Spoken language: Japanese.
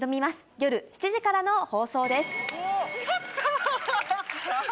夜７時からの放送です。